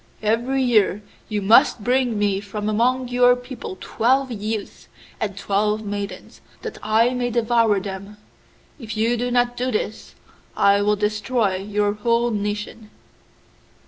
Every year you must bring me from among your people twelve youths and twelve maidens, that I may devour them. If you do not do this, I will destroy your whole nation.